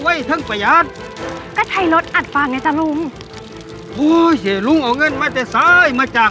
จะเผาฟางข้าวทำไมจ้ะ